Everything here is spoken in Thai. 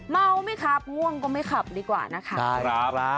เมาไหมครับง่วงก็ไม่ขับดีกว่านะคะ